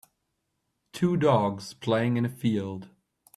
Two dogs playing in a field.